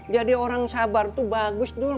jadi orang sabar tuh bagus dul